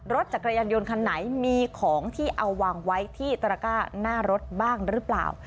รถจักรยานยนต์คันไหนมีของที่เอาวางไว้ที่ตระก้าหน้ารถบ้างหรือเปล่า